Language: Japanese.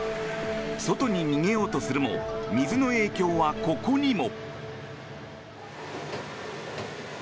外に逃げようとするも水の影響は、ここにも。